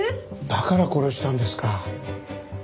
だから殺したんですか。